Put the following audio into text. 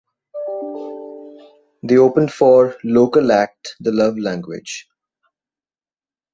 They opened for local act The Love Language.